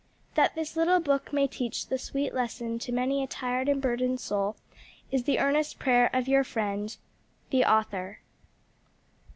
That this little book may teach the sweet lesson to many a tried and burdened soul, is the earnest prayer of your friend, THE AUTHOR.